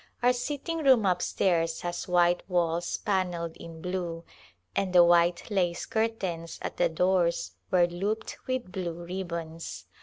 Our sitting room up stairs has white walls pannelled in blue, and the white lace cur tains at the doors were looped with blue ribbons.